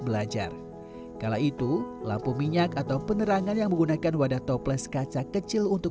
belajar kala itu lampu minyak atau penerangan yang menggunakan wadah toples kaca kecil untuk